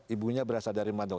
ibunya berasal dari manado